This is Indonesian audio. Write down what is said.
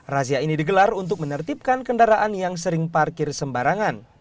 razia ini digelar untuk menertibkan kendaraan yang sering parkir sembarangan